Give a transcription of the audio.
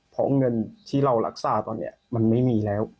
เพราะเงินที่เรารักษาตอนนี้มันไม่มีแล้ว